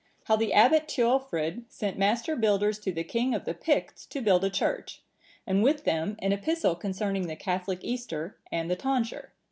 How the Abbot Ceolfrid sent master builders to the King of the Picts to build a church, and with them an epistle concerning the Catholic Easter and the Tonsure.